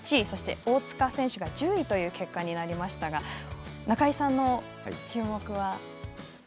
そして、大塚選手が１０位という結果になりましたが中井さんの注目は？